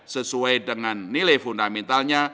sesuai dengan nilai fundamentalnya